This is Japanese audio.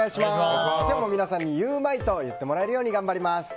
今日も皆さんにゆウマいと言ってもらえるように頑張ります！